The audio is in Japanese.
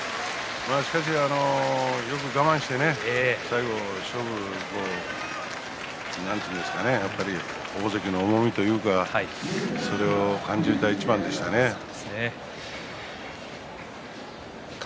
しかし、よく我慢して最後は何と言うんですかね大関の重みというかそれを感じた一番というか。